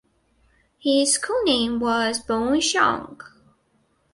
His school name was Boen Siang.